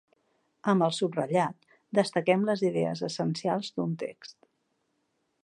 Amb el subratllat destaquem les idees essencials d'un text.